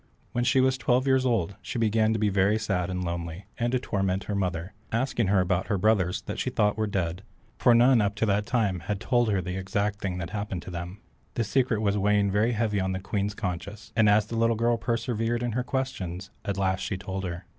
When she was twelve years old she began to be very sad and lonely, and to torment her mother, asking her about her brothers that she thought were dead, for none up to that time ever told her the exact thing that happened them. The secret was weighing very heavy on the Queen's conscience, and as the little girl persevered in her questions, at last she told her.